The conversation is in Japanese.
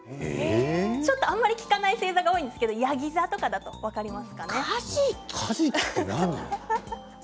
ちょっとあんまり聞かない星座が多いですけどやぎ座とかだと分かりますかね。